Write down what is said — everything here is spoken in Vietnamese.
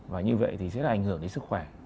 và như vậy thì sẽ là ảnh hưởng đến sức khỏe